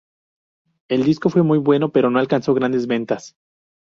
El disco fue muy bueno pero no alcanzó grandes ventas.